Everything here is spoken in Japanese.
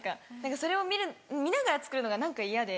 それを見ながら作るのが何か嫌で。